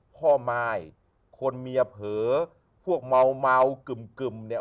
ม่ายคนเมียเผลอพวกเมากึ่มเนี่ย